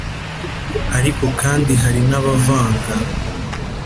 ariko kandi hari n’abavanga